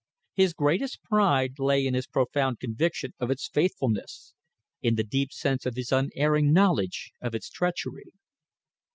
His greatest pride lay in his profound conviction of its faithfulness in the deep sense of his unerring knowledge of its treachery.